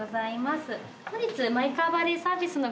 本日。